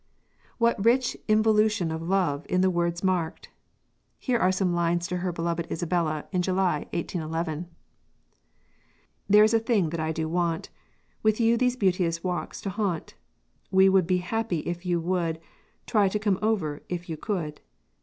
What rich involution of love in the words marked! Here are some lines to her beloved Isabella, in July, 1811: "There is a thing that I do want With you these beauteous walks to haunt; We would be happy if you would Try to come over if you could.